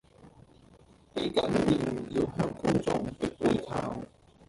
記緊臉要向觀眾別背靠